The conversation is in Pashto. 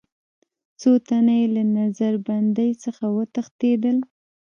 څو تنه یې له نظر بندۍ څخه وتښتېدل.